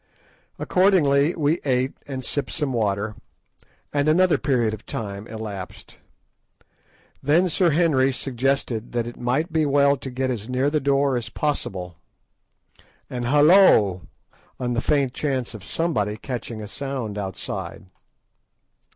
Accordingly we ate and sipped some water, and another period of time elapsed. Then Sir Henry suggested that it might be well to get as near the door as possible and halloa, on the faint chance of somebody catching a sound outside.